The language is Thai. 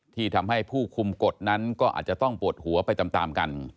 ที่ทำให้ผู้คุมกฎนั้นก็อาจจะต้องปวดหัวไปตามกัน